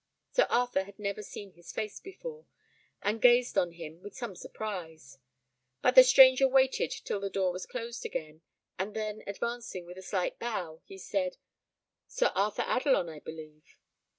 Sir Arthur had never seen his face before, and gazed on him with some surprise; but the stranger waited till the door was closed again, and then advancing, with a slight bow, he said, "Sir Arthur Adelon, I believe?"